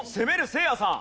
せいやさん。